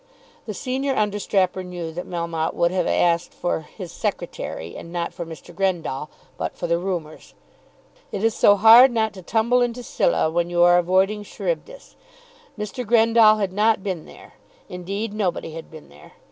The senior understrapper knew that Melmotte would have asked for "his Secretary," and not for Mr. Grendall, but for the rumours. It is so hard not to tumble into Scylla when you are avoiding Charybdis. Mr. Grendall had not been there. Indeed, nobody had been there.